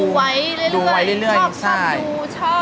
คือเราดูไว้เรื่อยชอบทำดูชอบ